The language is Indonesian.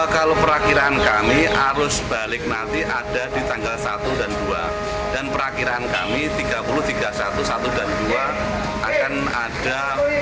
kalau perakiraan kami arus balik nanti ada di tanggal satu dan dua dan perakhiran kami tiga puluh tiga sebelas dan dua akan ada